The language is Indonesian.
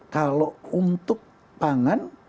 kalau untuk pangan